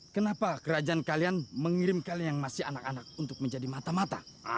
kenapa kerajaan kalian mengirim kalian yang masih anak anak untuk menjadi mata mata